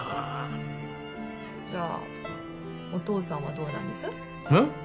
じゃあお父さんはどうなんです？えっ？